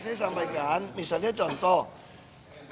saya sampaikan misalnya contohnya